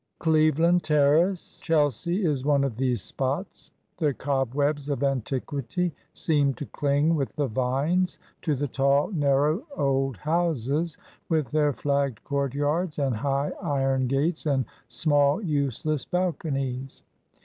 Cleveland Terrace, Chelsea, is one of these spots the cobwebs of antiquity seem to cling with the vines to the tall, narrow old houses, with their flagged courtyards, and high, iron gates and small, useless balconies.